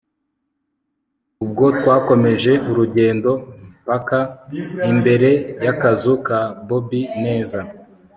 ubwo twakomehje urugendo mpaka imbere yakazu ka bobi neza